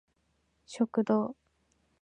食堂